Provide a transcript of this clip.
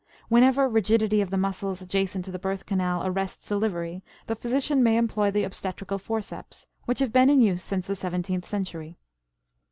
Whenever rigidity of the muscles adjacent to the birth canal arrests delivery the physician may employ the obstetrical forceps, which have been in use since the seventeenth century.